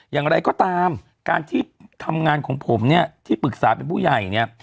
อย่างไรก็ตามการที่ทำงานของผมที่ปรึกษาเป็นผู้ใหญ่